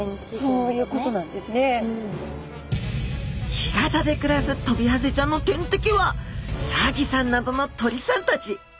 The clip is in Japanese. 干潟で暮らすトビハゼちゃんの天敵はサギさんなどの鳥さんたち。